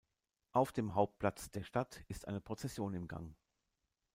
Auf dem Hauptplatz der Stadt ist eine Prozession im Gang.